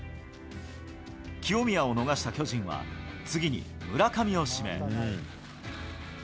清宮を逃した巨人は、次に村上を指名。